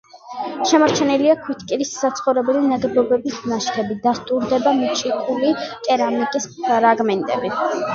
შემორჩენილია ქვითკირის საცხოვრებელი ნაგებობის ნაშთები, დასტურდება მოჭიქული კერამიკის ფრაგმენტები.